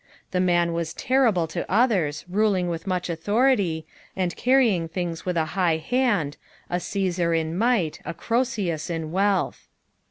The man was terrible to others, ruling with much authority, and carrying things with a high hand, a Ciesar in might, a Crcesus in wealth.